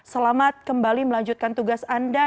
selamat kembali melanjutkan tugas anda